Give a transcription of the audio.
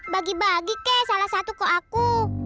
bagi bagi ke salah satu kok aku